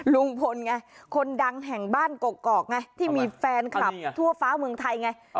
ลุงพลไงคนดังแห่งบ้านกกอกไงที่มีแฟนคลับทั่วฟ้าเมืองไทยไง